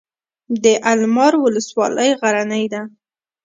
د المار ولسوالۍ غرنۍ ده